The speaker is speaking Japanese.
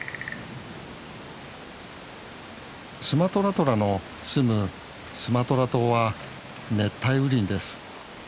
スマトラトラのすむスマトラ島は熱帯雨林です。